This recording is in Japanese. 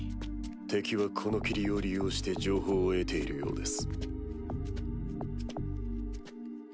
敵はこの霧を利用して情報を得ているようです。